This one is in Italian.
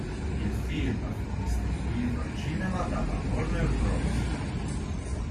Il film fu distribuito al cinema dalla Warner Bros.